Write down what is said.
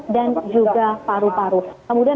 dan juga paru paru kemudian